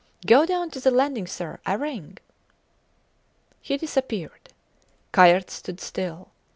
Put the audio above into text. Go down to the landing, sir. I ring. He disappeared. Kayerts stood still.